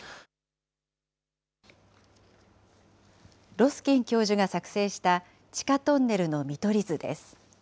ロスキン教授が作成した地下トンネルの見取り図です。